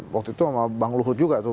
waktu itu sama bang luhut juga tuh